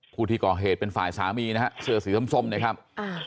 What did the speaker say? ผู้ที่ก่อเหตุเป็นฝ่ายสามีนะฮะเสื้อสีส้มนะครับ